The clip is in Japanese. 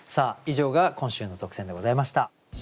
以上が今週の特選でございました。